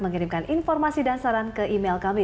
mengirimkan informasi dan saran ke email kami